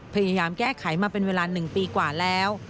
พยายามแก้ไขมาเป็นเวลา๑ปีกว่าแล้ว